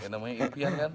namanya impian kan